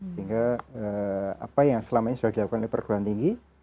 sehingga apa yang selama ini sudah dilakukan oleh perguruan tinggi